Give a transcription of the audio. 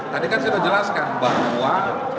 tadi kan sudah jelaskan bahwa